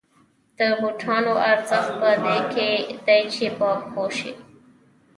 د بوټانو ارزښت په دې کې دی چې په پښو شي